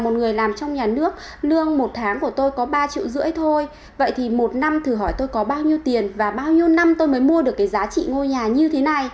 một người làm trong nhà nước lương một tháng của tôi có ba triệu rưỡi thôi vậy thì một năm thử hỏi tôi có bao nhiêu tiền và bao nhiêu năm tôi mới mua được cái giá trị ngôi nhà như thế này